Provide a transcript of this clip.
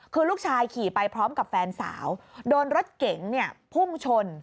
คือลูกชายขี่ไปพร้อมกับแฟนสาวโดนรถเก๋งพุ่งชน